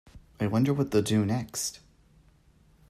I wonder what they’ll do next!